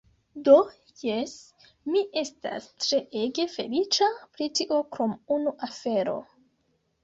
Do, jes, mi estas tre ege feliĉa pri tio krom unu afero!